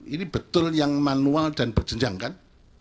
ini betul yang manual dan berjenjang kan